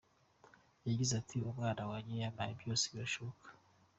Yagize ati “Umwana wanjye yampaye byose bishoboka.